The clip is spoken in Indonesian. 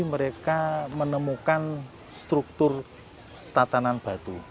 mereka menemukan struktur tatanan batu